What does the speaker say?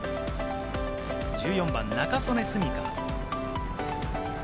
１４番、仲宗根澄香。